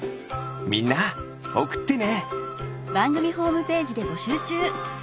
みんなおくってね！